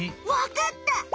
わかった！